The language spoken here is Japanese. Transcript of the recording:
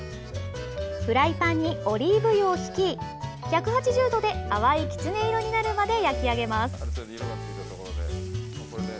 フライパンにオリーブ油をひき１８０度で淡いキツネ色になるまで焼き上げます。